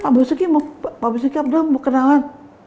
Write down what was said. pak basuki abdullah mau kenalan